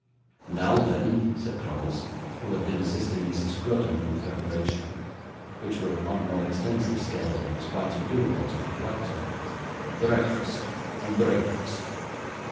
'Now then,' said Crummles, who had been assisting Mrs. Grudden in the preparations, which were on a more extensive scale than was quite agreeable to the collector. 'Breakfast, breakfast.